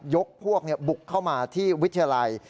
ยกพวกบุกเข้ามาที่วิทยาลัย